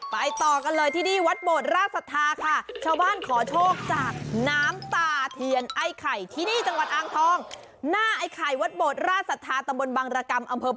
ไปต่อกันเลยที่ดีวัดโบราชศาสทาค่ะ